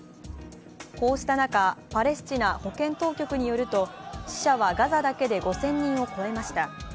こうした中、パレスチナ保健当局によると死者はガザだけで５０００人を超えました。